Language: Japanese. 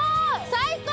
最高！